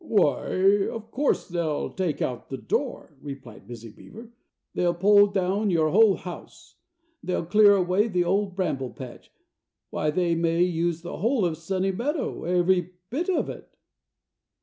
"Why, of course they'll take out the door," replied Busy Beaver; "they'll pull down your whole house; they'll clear away the Old Bramble Patch; why, they may use the whole of the Sunny Meadow every bit of it!"